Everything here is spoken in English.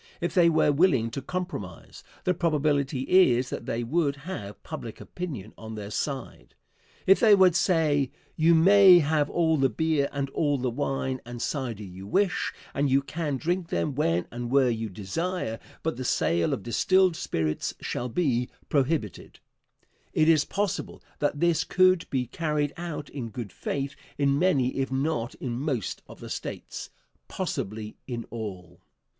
If they were willing to compromise, the probability is that they would have public opinion on their side. If they would say: "You may have all the beer and all the wine and cider you wish, and you can drink them when and where you desire, but the sale of distilled spirits shall be prohibited," it is possible that this could be carried out in good faith in many if not in most of the States possibly in all.